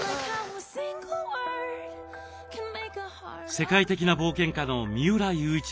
世界的な冒険家の三浦雄一郎さん。